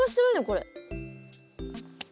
これ。